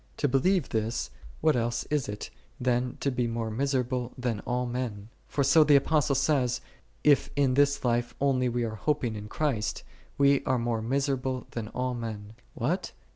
To believe this, what else is it, than to be more miserable than all men ? For so the Apostle saith, " If in this life only we are hoping in Christ, we are more misera ble than all men." s What